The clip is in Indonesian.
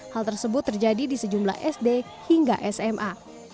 hal tersebut terjadi di sejumlah sd hingga sma